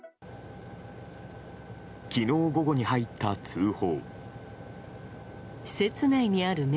昨日午後に入った通報。